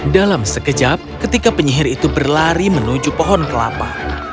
dalam sekejap ketika penyihir itu berlari menuju pohon kelapa